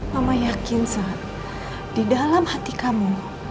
mama yakin saat di dalam hati kamu